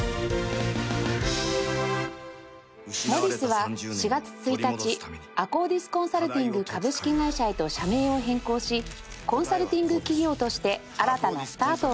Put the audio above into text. Ｍｏｄｉｓ は４月１日 ＡＫＫＯＤｉＳ コンサルティング株式会社へと社名を変更しコンサルティング企業として新たなスタートを切りました